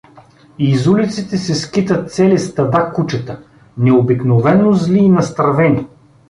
Из улиците се скитат цели стада кучета, необикновено зли и настървени.